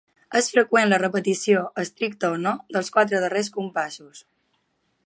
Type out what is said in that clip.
És freqüent la repetició -estricta o no- dels quatre darrers compassos.